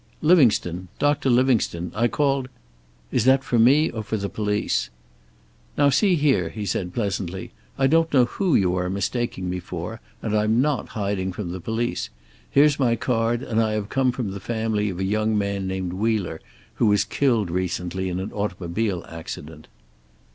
"Livingstone. Doctor Livingstone. I called " "Is that for me, or for the police?" "Now see here," he said pleasantly. "I don't know who you are mistaking me for, and I'm not hiding from the police. Here's my card, and I have come from the family of a young man named Wheeler, who was killed recently in an automobile accident."